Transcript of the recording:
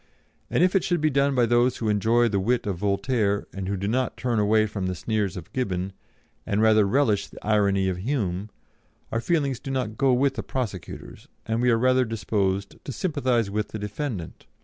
And if it should be done by those who enjoy the wit of Voltaire, and who do not turn away from the sneers of Gibbon, and rather relish the irony of Hume, our feelings do not go with the prosecutors, and we are rather disposed to sympathise with the defendant.